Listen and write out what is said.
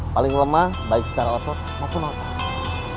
paling lemah baik secara otot maupun otot